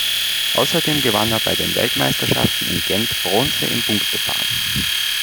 Außerdem gewann er bei den Weltmeisterschaften in Gent Bronze im Punktefahren.